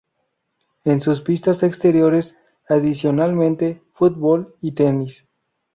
En sus pistas exteriores, adicionalmente, fútbol y tenis.